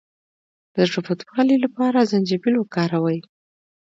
د زړه بدوالي لپاره زنجبیل وکاروئ